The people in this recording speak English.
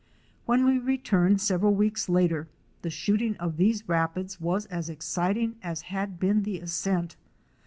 When we returned several weeks later, the shooting of these rapids was as exciting as had been the ascent.